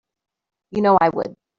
You know I would.